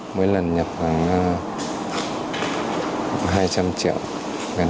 mỗi lần nhập khoảng hai trăm linh triệu gần hai trăm linh